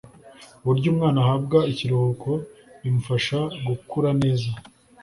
uburyo umwana ahabwa ikiruhuko bimufasha gukura neza